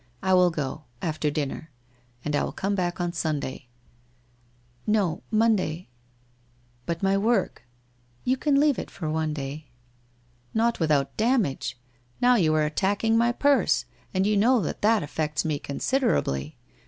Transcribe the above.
I will go. After dinner. And I will come back on Sunday/ ' No, Monday/ ' But my work ?' 'You can leave it for one day/ ' Not without damage. Now you are attacking my purse, and you know that that affects me considerably.